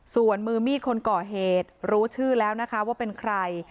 ส่วนมือมีดคนก่อเหตุรู้ชื่อแล้วนะคะว่าเป็นใคร